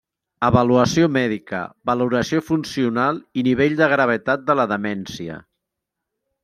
Avaluació mèdica, valoració funcional i nivell de gravetat de la demència.